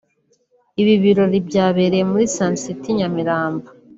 Ibi birori byabereye muri Sun City i Nyamirambo